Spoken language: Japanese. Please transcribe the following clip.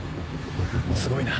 すごいな。